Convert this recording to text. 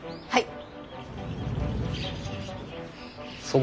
はい！